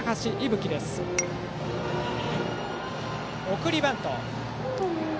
送りバント